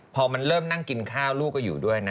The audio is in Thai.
พอมันเริ่มนั่งกินข้าวลูกก็อยู่ด้วยนะ